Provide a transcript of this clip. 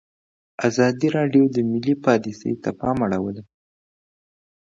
ازادي راډیو د مالي پالیسي ته پام اړولی.